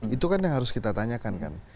itu kan yang harus kita tanyakan kan